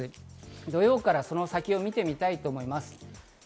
土曜からその先を見てみたいと思います。